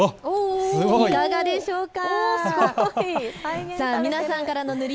いかがでしょうか。